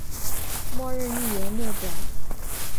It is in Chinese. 末日预言列表